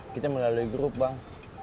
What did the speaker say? kita melalui grup bang